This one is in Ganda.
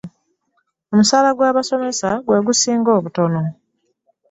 Omusaala gw'abasomesa gwe gusinga obutono.